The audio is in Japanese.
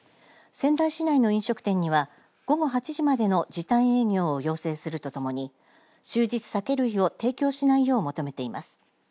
仙台市内の飲食店には午後８時までの時短営業を要請するとともに終日酒類を提供しないよう求めています。